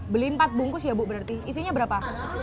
beli empat bungkus ya bu berarti isinya berapa